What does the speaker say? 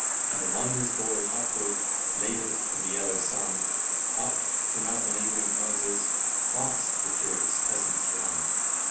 And the miners bore it upward, Laid it in the yellow sun; Up, from out the neighboring houses, Fast the curious peasants run.